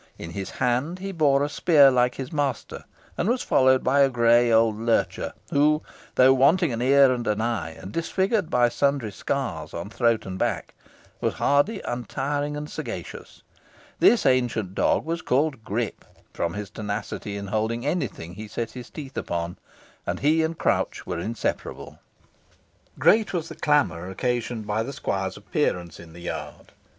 In his hand he bore a spear like his master, and was followed by a grey old lurcher, who, though wanting an ear and an eye, and disfigured by sundry scars on throat and back, was hardy, untiring, and sagacious. This ancient dog was called Grip, from his tenacity in holding any thing he set his teeth upon, and he and Crouch were inseparable. Great was the clamour occasioned by the squire's appearance in the yard.